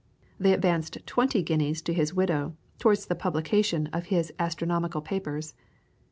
They advanced twenty guineas to his widow towards the publication of his astronomical papers.